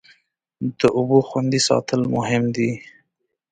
د اوبو خوندي ساتل مهم دی.